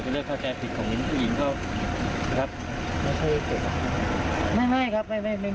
ก็เริ่มเข้าใจผิดของผู้หญิงเขาครับไม่ใช่ครับไม่ไม่ครับ